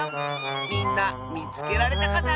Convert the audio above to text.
みんなみつけられたかな？